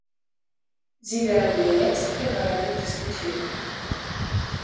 Sie werden ja jetzt gerade diskutiert.